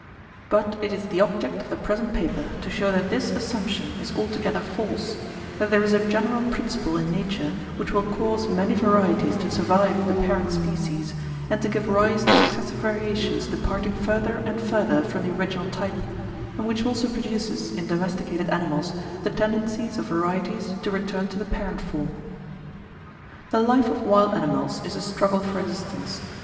But it is the object of the present paper to show that this assumption is altogether false, that there is a general principle in nature which will cause many varieties to survive the parent species, and to give rise to successive variations departing further and further from the original type, and which also produces, in domesticated animals, the tendency of varieties to return to the parent form. The life of wild animals is a struggle for existence.